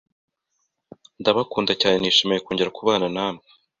Ndabakunda cyane, nishimiye kongera kubana namwe